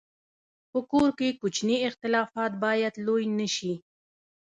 په کور کې کوچني اختلافات باید لوی نه شي.